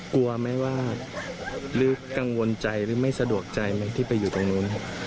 กลัวไหมว่าหรือกังวลใจหรือไม่สะดวกใจไหมที่ไปอยู่ตรงนู้น